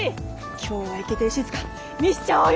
今日はイケてるしずか見せちゃおうよ。